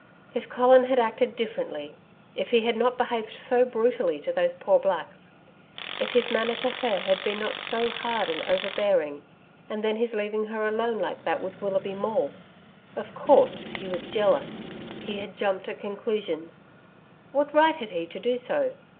If Colin had acted differently if he had not behaved so brutally to those poor blacks if his manner to her had not been so hard and overbearing. And then his leaving her alone like that with Willoughby Maule! Of course, he was jealous. He had jumped at conclusions. What right had he to do so?